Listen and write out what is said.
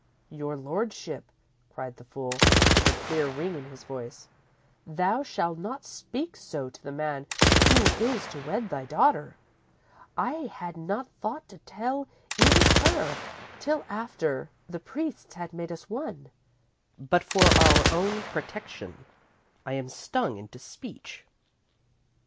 "_ _"Your lordship," cried the fool, with a clear ring in his voice, "thou shall not speak so to the man who is to wed thy daughter. I had not thought to tell even her till after the priests had made us one, but for our own protection, I am stung into speech.